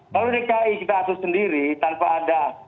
kalau dki kita atur sendiri tanpa ada